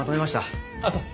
あっそう。